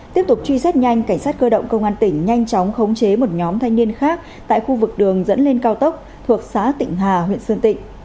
tiếp tục truy xét nhanh cảnh sát cơ động công an tỉnh nhanh chóng khống chế một nhóm thanh niên khác tại khu vực đường dẫn lên cao tốc thuộc xã tịnh hà huyện sơn tịnh